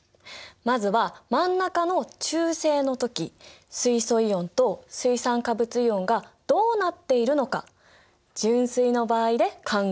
まずは真ん中の中性の時水素イオンと水酸化物イオンがどうなっているのか純水の場合で考えていくよ。